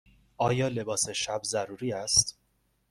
آیا لباس شب ضروری است؟